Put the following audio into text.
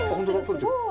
すごい！